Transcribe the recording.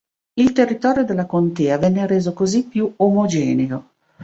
Il territorio della contea venne reso così più omogeneo.